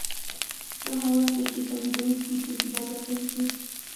دا هغه وخت دی چې تولیدونکي توکي بازار ته یوسي